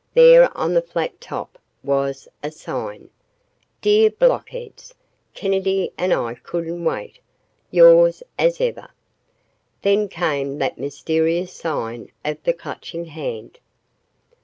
There on the flat top was a sign: Dear Blockheads: Kennedy and I couldn't wait. Yours as ever, Then came that mysterious sign of the Clutching Hand.